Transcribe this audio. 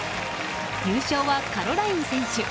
優勝はカロライン選手。